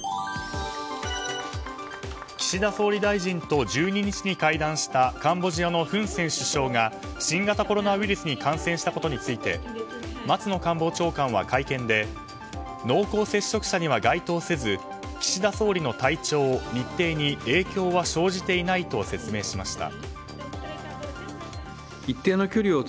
岸田総理大臣と１２日に会談したカンボジアのフン・セン首相が新型コロナウイルスに感染したことについて松野官房長官は会見で濃厚接触者には該当せず岸田総理の体調、日程に影響は生じていないと説明しました。